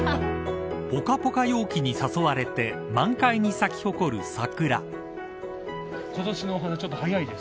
ぽかぽか陽気に誘われて満開に咲き誇る桜。